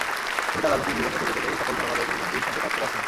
তিনি তাঁর রাজনৈতিক জীবনের শুরু থেকেই সকল ধর্মাবলম্বীর সঙ্গে কাজ করে আসছেন।